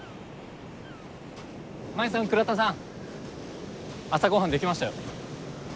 真夢さん倉田さん朝ご飯できましたよ。